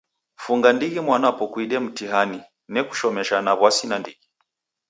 Kufunge ndighi mwanapo kuide mtihani. Nekushomesha na w'asi nandighi.